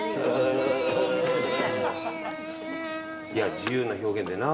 自由な表現でな。